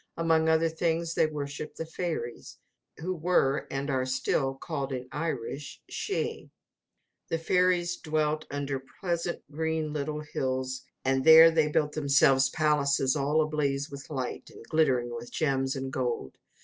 Among other things, they worshipped the Fairies, who were, and are still, called in Irish Shee. The fairies dwelt under pleasant green little hills; and there they built themselves palaces all ablaze with light, and glittering with gems and gold.